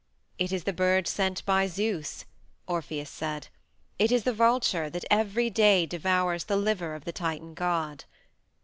"It is the bird sent by Zeus," Orpheus said. "It is the vulture that every day devours the liver of the Titan god."